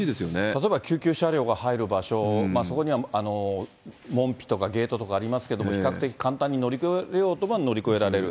例えば救急車両が入る場所、そこには門扉とかゲートとかありますけども、比較的簡単に乗り越えようと思えば乗り越えられる。